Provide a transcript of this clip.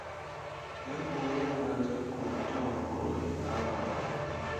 yambuwe uburenganzira ku mutungowe nabana